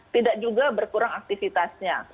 tidak juga berkurang aktivitasnya